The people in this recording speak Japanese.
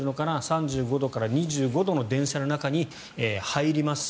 ３５度から２５度ぐらいの中に入ります。